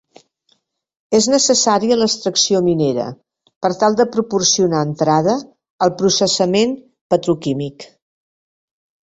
És necessària l'extracció minera per tal de proporcionar entrada al processament petroquímic.